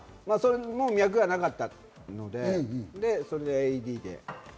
脈がなかったので、それでＡＥＤで。